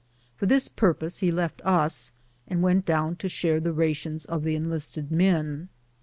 For this purpose he left us, and went down to share the rations of the enlisted men.